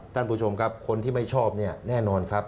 ท่านผู้ชมครับคนที่ไม่ชอบเนี่ยแน่นอนครับ